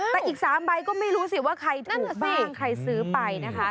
แต่อีก๓ใบก็ไม่รู้สิว่าใครจะสร้างใครซื้อไปนะคะ